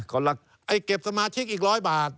เขารักไอ้เก็บสมาชิกอีก๑๐๐บาท